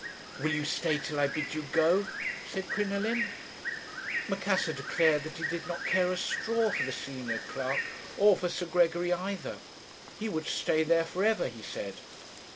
"'Will you stay till I bid you go?' said Crinoline. "Macassar declared that he did not care a straw for the senior clerk, or for Sir Gregory either. He would stay there for ever, he said.